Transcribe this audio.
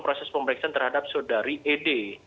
kita melakukan proses pemeriksaan terhadap saudari ed